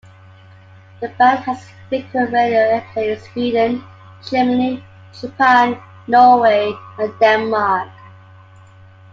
The band has frequent radio airplay in Sweden, Germany, Japan, Norway and Denmark.